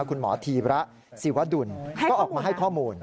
คุณหมอธีระศิวดุลก็ออกมาให้ข้อมูล